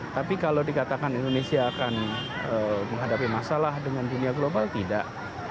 tapi kalau dikatakan indonesia akan menghadapi masalah dengan dunia global tidak